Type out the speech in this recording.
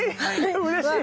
うれしい。